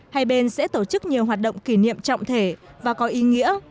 hai bên sẽ tổ chức nhiều hoạt động kỷ niệm trọng thể và có ý nghĩa